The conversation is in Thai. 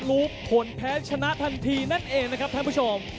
รู้ผลแพ้ชนะทันทีนั่นเองนะครับท่านผู้ชม